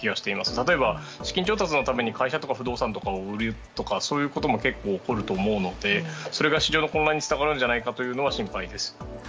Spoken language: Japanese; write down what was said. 例えば、資金調達のために会社とか不動産を売るとか、そういうことも結構、起こると思うのでそれが市場の混乱につながるんじゃないかというのが心配です。